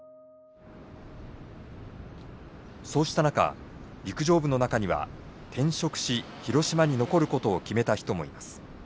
そうした中陸上部の中には転職し広島に残ることを決めた人もいます。